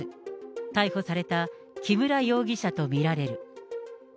逮捕された木村容疑者と見られる。